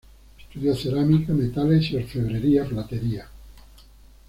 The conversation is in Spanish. Estudió cerámica, metales y orfebrería, platería.